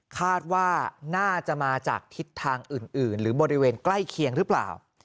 คาดว่าน่าจะมาจากทิศทางอื่นหรือบริเวณใกล้เคียงหรือเปล่า